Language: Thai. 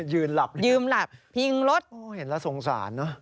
ยืนหลับอย่างนี้โอ้ยเห็นแล้วสงสารนะ